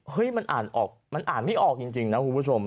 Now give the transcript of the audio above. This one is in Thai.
มันอ่านออกมันอ่านไม่ออกจริงนะคุณผู้ชม